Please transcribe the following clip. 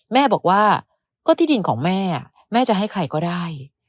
แม่บอกว่าก็ที่ดินของแม่แม่จะให้ใครก็ได้